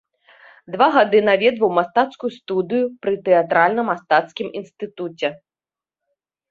Два гады наведваў мастацкую студыю пры тэатральна-мастацкім інстытуце.